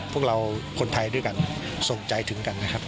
พวกเราคนไทยด้วยกันส่งใจถึงกันนะครับ